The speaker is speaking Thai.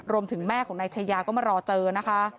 รวมถึงแม่ของนายเชยะก็มารอเจอนะคะ